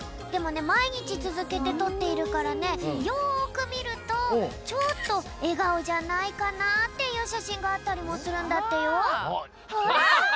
でもねまいにちつづけてとっているからねよくみるとちょっとえがおじゃないかなっていう写真があったりもするんだってよ。